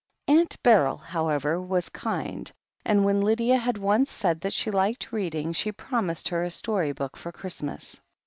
Aunt Beryl, however, was kind, and when Lydia had once said that she liked reading, she promised her a story book for Christmas.